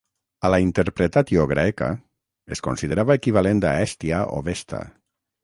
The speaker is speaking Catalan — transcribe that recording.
A la "interpretatio graeca", es considerava equivalent a Hèstia o Vesta.